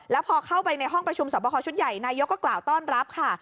แล้วพอเข้าไปในห้องประชุมสอบคอชุดใหญ่นายกก็กล่าวต้อนรับค่ะ